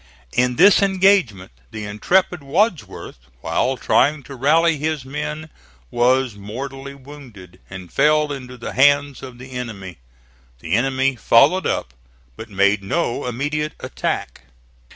In this engagement the intrepid Wadsworth while trying to rally his men was mortally wounded and fell into the hands of the enemy. The enemy followed up, but made no immediate attack.